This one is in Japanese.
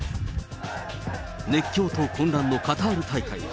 熱狂と混乱のカタール大会。